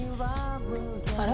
あれ？